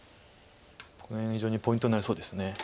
この辺が非常にポイントになりそうです。